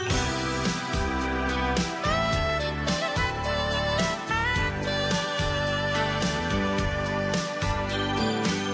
ไม่อาจรู้